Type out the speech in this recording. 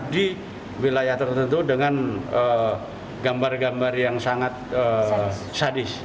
di wilayah tertentu dengan gambar gambar yang sangat sadis